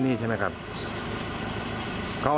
ไม่ใช่ว่าลงข่าว